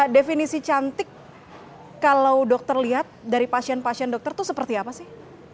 definisi cantik kalau dokter lihat dari pasien pasien dokter itu seperti apa sih